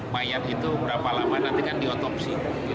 mayat itu berapa lama nanti kan diotopsi